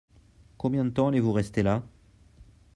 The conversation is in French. Combien de temps allez-vous rester là ?